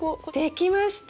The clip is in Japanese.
できました！